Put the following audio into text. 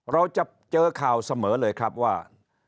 เราจะเจอข่าวเสมอเลยครับว่า